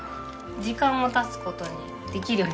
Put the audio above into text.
時間が経つごとにできるようになって。